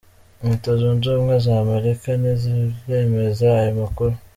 Leta Zunze Ubumwe za Amerika ntiziremeza ayo makuru.